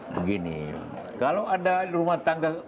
begini kalau ada rumah tangga